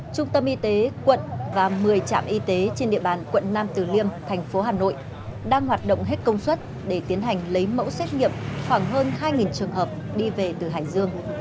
trung tâm y tế quận và một mươi trạm y tế trên địa bàn quận nam từ liêm thành phố hà nội đang hoạt động hết công suất để tiến hành lấy mẫu xét nghiệm khoảng hơn hai trường hợp đi về từ hải dương